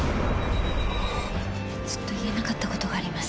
ずっと言えなかったことがあります。